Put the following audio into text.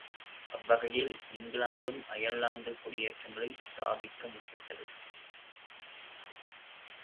அவ்வகையில் இங்கிலாந்தும் அயர்லாந்திற் குடியேற்றங்களைத் ஸ்தாபிக்க முற்பட்டது.